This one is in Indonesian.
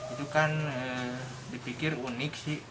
itu kan dipikir unik sih